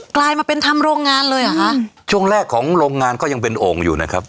กลายมาเป็นทำโรงงานเลยเหรอคะช่วงแรกของโรงงานก็ยังเป็นโอ่งอยู่นะครับ